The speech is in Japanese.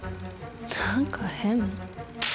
何か変。